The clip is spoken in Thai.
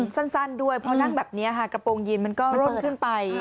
สั้นด้วยเพราะนั่งแบบนี้ค่ะกระโปรงยีนมันก็ร่นขึ้นไป